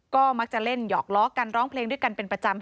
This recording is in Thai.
ก็มักจะเล่นหยอกล้อกันร้องเพลงด้วยกันเป็นประจำ